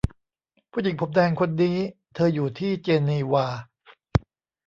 ผู้หญิงผมแดงคนนี้ เธออยู่ที่เจนีวา